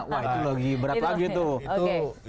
wah itu lagi berat lagi tuh